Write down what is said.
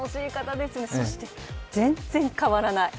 そして、全然変わらない。